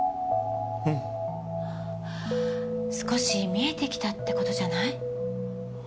うん少し見えてきたってことじゃない？